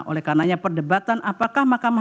oleh karenanya perdebatan apakah mahkamah